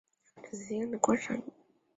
为体色鲜艳的观赏鱼。